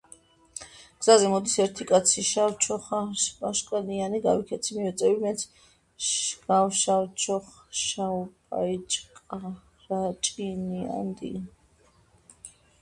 გზაზე მოდის ერთი კაცი შავჩოხშავპაიჭკარაჭინიანი, გავიქცევი მივეწევი მეც გავშავჩოხშავპაიჭკარაჭინიანდები.